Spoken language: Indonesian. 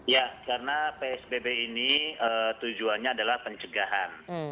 ya karena psbb ini tujuannya adalah pencegahan